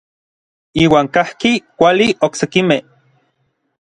Iuan kajki kuali oksekimej.